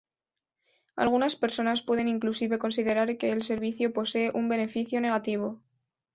Algunas personas pueden inclusive considerar que el servicio posee un beneficio negativo.